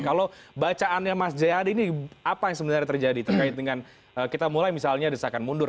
kalau bacaannya mas jayadi ini apa yang sebenarnya terjadi terkait dengan kita mulai misalnya desakan mundur